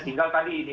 tinggal tadi ini